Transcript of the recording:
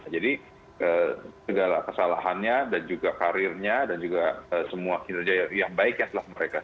jadi segala kesalahannya dan juga karirnya dan juga semua kinerja yang baiknya telah mereka